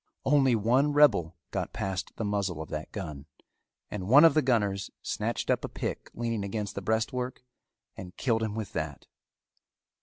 Only one rebel got past the muzzle of that gun and one of the gunners snatched up a pick leaning against the breastwork and killed him with that.